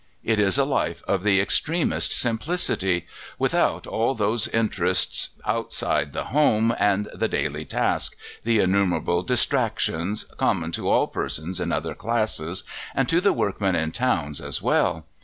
It is a life of the extremest simplicity, without all those interests outside the home and the daily task, the innumerable distractions, common to all persons in other classes and to the workmen in towns as well.